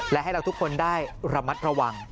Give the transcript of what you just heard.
และให้เราทุกคนได้ระมัดระวัง